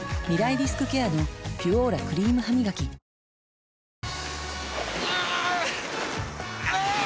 リスクケアの「ピュオーラ」クリームハミガキあ゛ーーー！